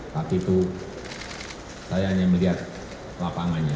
tapi itu saya hanya melihat lapangannya